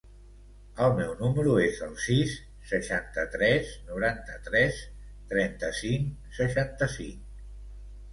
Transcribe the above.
El meu número es el sis, seixanta-tres, noranta-tres, trenta-cinc, seixanta-cinc.